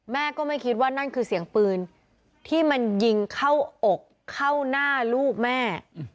แม่ก็ไม่คิดว่านั่นคือเสียงปืนที่มันยิงเข้าอกเข้าหน้าลูกแม่